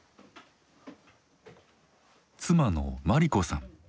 妻の末利子さん。